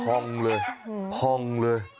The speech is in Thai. ภ่องเลยภ่องเลย